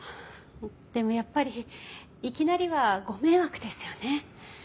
でもやっぱりいきなりはご迷惑ですよね。